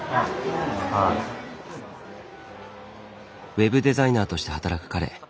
ウェブデザイナーとして働く彼。